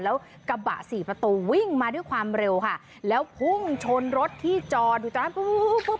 แล้วกระบะสี่ประตูวิ่งมาด้วยความเร็วค่ะแล้วพุ่งชนรถที่จอดอยู่ตรงนั้นปุ๊บ